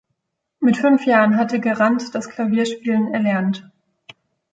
Mit fünf Jahren hatte Garand das Klavierspielen erlernt.